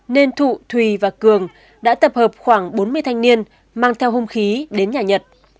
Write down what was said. nên thụ thùy và cường đã tập hợp khoảng bốn mươi thanh niên mang theo hung khí đến nhà nhật